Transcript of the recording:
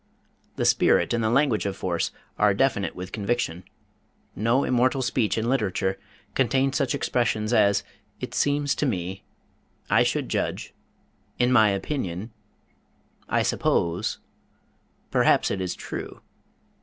The spirit and the language of force are definite with conviction. No immortal speech in literature contains such expressions as "it seems to me," "I should judge," "in my opinion," "I suppose," "perhaps it is true."